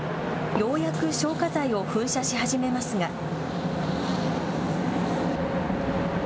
ようやく消火剤を噴射し始めますが。